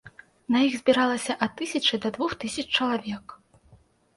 На іх збіралася ад тысячы да двух тысяч чалавек.